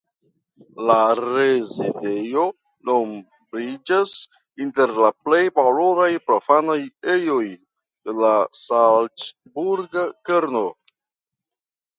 La rezidejo nombriĝas inter la plej valoraj profanaj ejoj de la salcburga kerno.